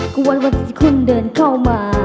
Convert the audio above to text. ก็วันวันที่คุณเดินเข้ามา